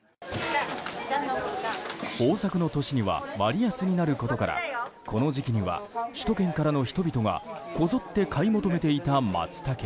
豊作の年には割安になることからこの時期には首都圏からの人々がこぞって買い求めていたマツタケ。